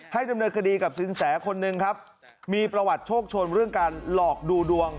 ดำเนินคดีกับสินแสคนหนึ่งครับมีประวัติโชคชนเรื่องการหลอกดูดวง